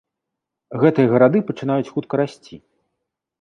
Гэтыя гарады пачынаюць хутка расці.